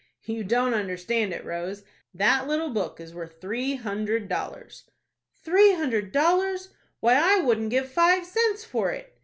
"You don't understand it, Rose. That little book is worth three hundred dollars." "Three hundred dollars! Why, I wouldn't give five cents for it."